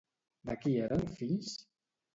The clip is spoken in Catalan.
De qui eren fills?